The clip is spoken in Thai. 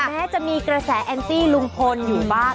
แม้จะมีกระแสแอนตี้ลุงพลอยู่บ้าง